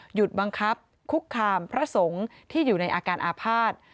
หยุดบังคับคุกคามพระสงฆ์ที่อยู่ในอาการอาภาษณ์